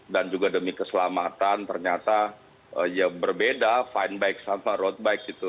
dan juga demi keselamatan ternyata ya berbeda fine bike sama road bike gitu